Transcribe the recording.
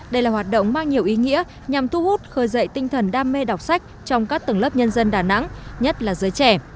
đây là hoạt động mang nhiều ý nghĩa nhằm thu hút khởi dậy tinh thần đam mê đọc sách trong các tầng lớp nhân dân đà nẵng nhất là giới trẻ